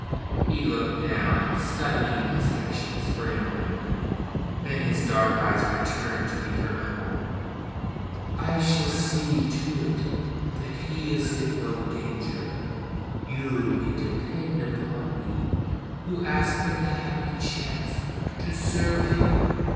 He looked down, studying his hessians for a moment, then his dark eyes returned to meet her own. "I shall see to it that he is in no danger. You may depend upon me, who ask but the happy chance to serve you.